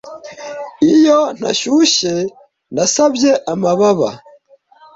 iyo ntashyushye nasabye amababa